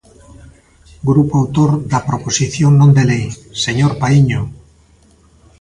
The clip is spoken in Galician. Grupo autor da proposición non de lei, señor Paíño.